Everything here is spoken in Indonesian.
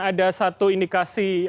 ada satu indikasi